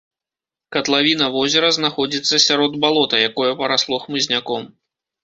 Катлавіна возера знаходзіцца сярод балота, якое парасло хмызняком.